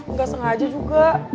nggak sengaja juga